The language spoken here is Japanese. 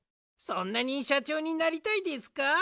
そんなにシャチョーになりたいですか？